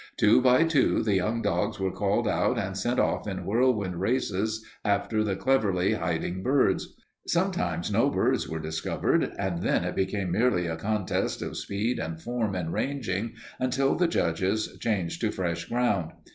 Two by two the young dogs were called out and sent off in whirlwind races after the cleverly hiding birds. Sometimes no birds were discovered, and then it became merely a contest of speed and form in ranging until the judges changed to fresh ground.